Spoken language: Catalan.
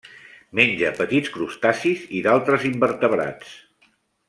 Menja petits crustacis i d'altres invertebrats.